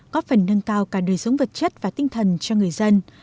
có phần nâng cao cả đời sống vật chất và tinh thần cho người dân